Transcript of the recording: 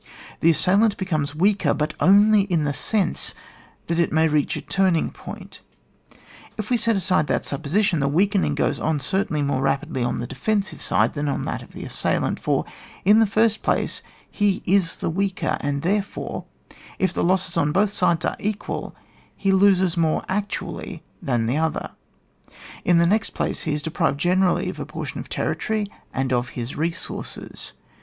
The assailant becomes weaker, but only in the sense that it may reach a turning point; if we set aside that supposition, the weakening goes on certainly more rapidly on the defensive side than on that of the assailant : for in the first place, he is the weaker, and, therefore, if the losses on both sides are equal, he loses more actuallgr than the other ; in the next place, he is deprived generally of a portion of territory and of his resources.